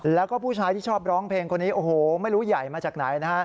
และผู้ชายที่ชอบร้องเพลงคนนี้ไม่รู้ใหญ่มาจากไหน